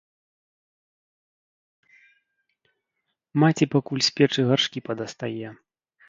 Маці пакуль з печы гаршкі падастае.